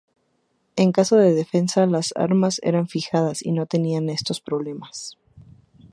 En caso de defensa, las armas eran fijadas y no tenían estos problemas.